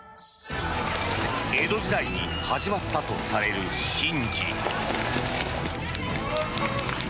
江戸時代に始まったとされる神事。